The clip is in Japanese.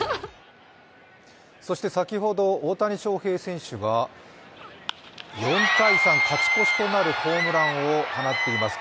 そして先ほど大谷翔平選手が４−３勝ち越しとなるホームランを放っています。